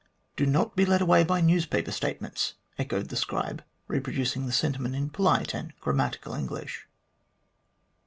"Do not be led away by newspaper statements," echoed the scribe, reproducing the sentiment in polite and grammatical English.